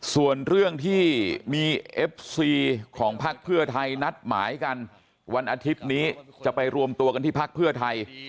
ส่วนเรื่องที่มีเอฟซีของพักเพื่อไทยนัดหมายกันวันอาทิตย์นี้จะไปรวมตัวกันที่พักเพื่อไทย